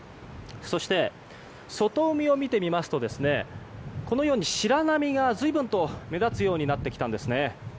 そして、外海を見てみますとこのように白波が随分と目立つようになってきたんです。